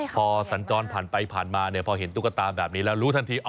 พอสัญจรผ่านไปผ่านมาพอเห็นตุ๊กตาแบบนี้แล้วรู้ทันที